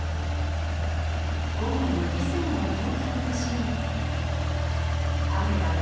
午後４時過ぎの東京都心。